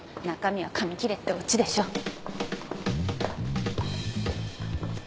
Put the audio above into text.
中身は紙切れってオチでしょ。